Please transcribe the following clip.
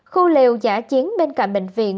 khu liều giả chiến bên cạnh bệnh viện